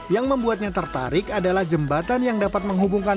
yang membuatnya tertarik adalah jembatan yang dapat menghubungkan